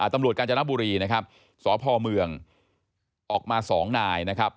ตำรวจกาญจนบุรีนะครับสพเมืองออกมา๒นายนะครับ